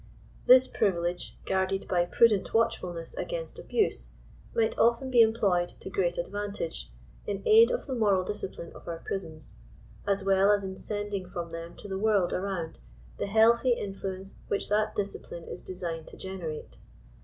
This privilege* guarded by prudent watchfulness against abuse, might often be employed to great advantage in aid of the moral discipline of our prisons, as well as in sending from them to the world around, the healthy influence which that discipline is designed to generate.